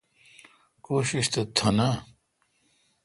کوشش تو تھ نا۔